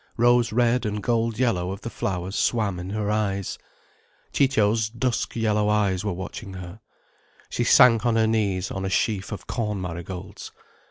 Rose red and gold yellow of the flowers swam in her eyes. Ciccio's dusk yellow eyes were watching her. She sank on her knees on a sheaf of corn marigolds.